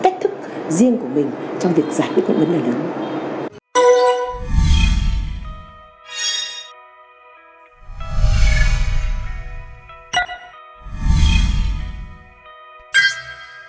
tách thức riêng của mình trong việc giải quyết những vấn đề lớn